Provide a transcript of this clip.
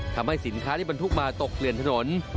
ทำให้สินค้าที่บรรทุกมาตกเกลื่อนถนน